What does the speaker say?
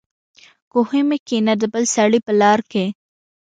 کوهي مه کينه دبل سړي په لار کي